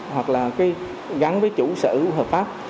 hoặc là gắn với chủ sở hợp pháp